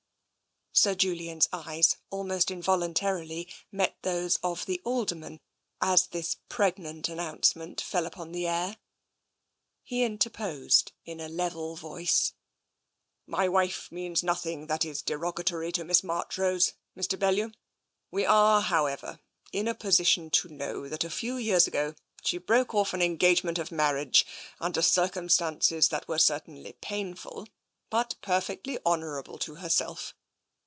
Sir Julian's eyes almost involuntarily met those of the Alderman as this pregnant announcement fell upon the air. He interposed in a level voice :" My wife means nothing that is derogatory to Miss Marchrose, Mr. Bellew. We are, however, in a posi tion to know that a few years ago she broke off an en gagement of marriage under circumstances that were certainly painful, but perfectly honourable to herself.